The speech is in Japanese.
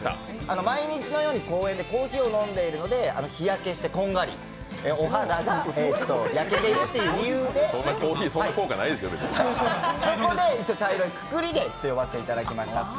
毎日のように公園でコーヒーを飲んでいるのでお肌が焼けているという理由でそこで一応、茶色いくくりで出させてもらいました。